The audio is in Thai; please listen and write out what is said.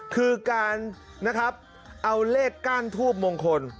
คือการเอาเลขกั้นทูบมงคล